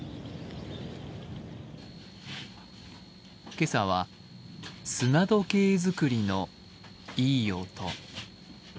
今朝は砂時計づくりのいい音。